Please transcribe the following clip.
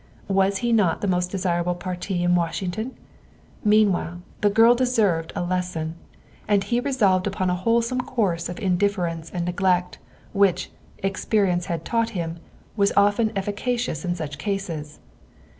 Was he not the most desirable parti in Wash ington? Meanwhile, the girl deserved a lesson, and he resolved upon a wholesome course of indifference and neglect, which, experience had taught him, was often efficacious in such cases.